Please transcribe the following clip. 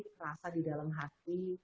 terasa di dalam hati